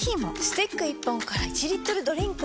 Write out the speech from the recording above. スティック１本から１リットルドリンクに！